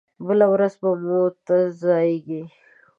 بله ورځ په مو ټه کې ځائېږي